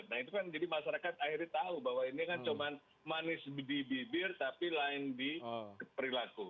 nah itu kan jadi masyarakat akhirnya tahu bahwa ini kan cuma manis di bibir tapi lain di perilaku